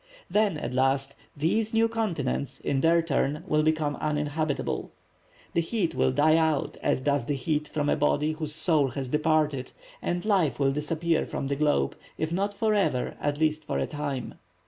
Then at last, these new continents, in their turn, will become uninhabitable. The heat will die out as does the heat from a body whose soul has departed, and life will disappear from the globe, if not forever, at least for a time.